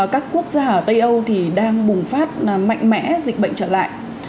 các quốc gia ở tây âu đang bùng phát mạnh mẽ dịch bệnh trở lại